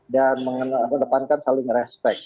dan mengedepankan saling respect